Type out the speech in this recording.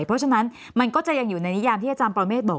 เพราะฉะนั้นมันก็จะยังอยู่ในนิยามที่อาจารย์ปรเมฆบอก